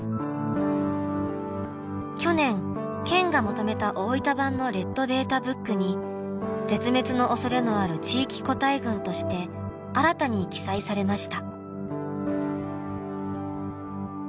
去年県がまとめた大分版のレッドデータブックに絶滅の恐れのある地域個体群として新たに記載されました。